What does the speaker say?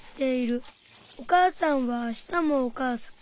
おかあさんはあしたもおかあさん。